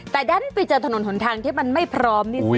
แต่ด้านเปลี่ยนถนนสนทางที่มันไม่พร้อม